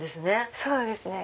そうですね。